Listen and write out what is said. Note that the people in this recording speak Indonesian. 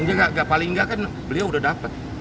ini nggak paling nggak kan beliau udah dapat